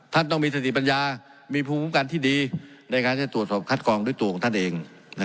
ท่านต้องมีสติปัญญามีภูมิคุ้มกันที่ดีในการจะตรวจสอบคัดกรองด้วยตัวของท่านเอง